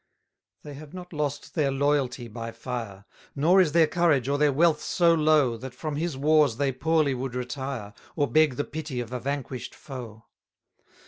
289 They have not lost their loyalty by fire; Nor is their courage or their wealth so low, That from his wars they poorly would retire, Or beg the pity of a vanquish'd foe.